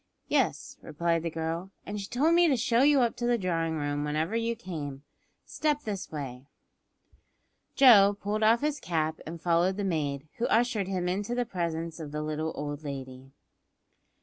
"Yes," replied the girl, "and she told me to show you up to the drawing room whenever you came. Step this way." Joe pulled off his cap and followed the maid, who ushered him into the presence of the little old lady.